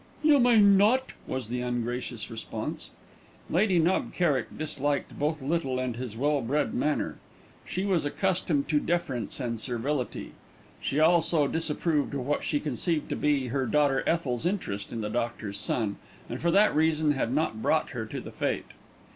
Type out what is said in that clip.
"You may not," was the ungracious response. Lady Knob Kerrick disliked both Little and his well bred manner. She was accustomed to deference and servility. She also disapproved of what she conceived to be her daughter Ethel's interest in the doctor's son, and for that reason had not brought her to the Fête.